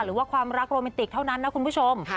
หรือว่าความรักโรแมนติกเท่านั้นนะคุณผู้ชม